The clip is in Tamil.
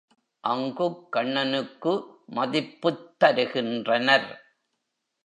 அங்குக் கண்ணனுக்கு மதிப்புத் தருகின்றனர்.